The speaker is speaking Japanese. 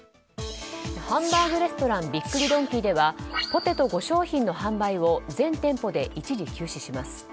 ハンバーグレストランびっくりドンキーではポテト５商品の販売を全店舗で一時休止します。